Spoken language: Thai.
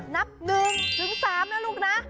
นับนึงทั้ง๓น้ะลูกนะ